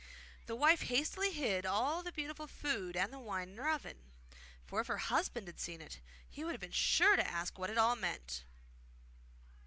The wife hastily hid all the beautiful food and the wine in her oven; for if her husband had seen it, he would have been sure to ask what it all meant.